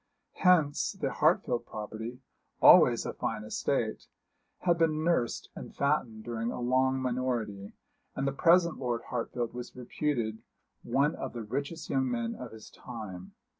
Hence the Hartfield property, always a fine estate, had been nursed and fattened during a long minority, and the present Lord Hartfield was reputed one of the richest young men of his time.